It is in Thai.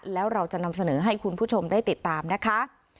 แล้วเราจะนำเสนอให้คุณผู้ชมได้ติดตามนะคะ